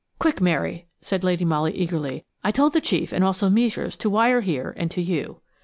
"Quick, Mary," said Lady Molly, eagerly. "I told the chief and also Meisures to wire here and to you."